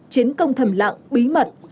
chiến công thầm lạng bí mật